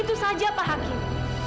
itu saja pak hakim